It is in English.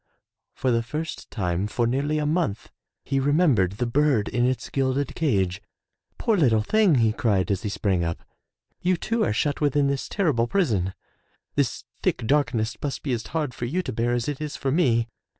For the first time for nearly a month he remembered the bird in its gilded cage. "Poor little thing,'* he cried as he sprang up, ''You too are shut within this terrible prison. This thick darkness must be as hard for you to bear as it is for me.''